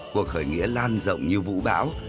cuộc khởi nghĩa lan rộng như vũ bão